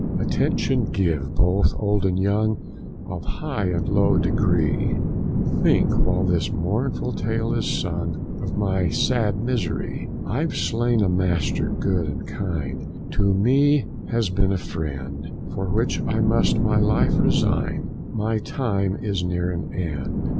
Attention give, both old and young, Of high and low degree, Think while this mournful tale is sung, Of my sad misery. I've slain a master good and kind, To me has been a friend, For which I must my life resign, My time is near an end.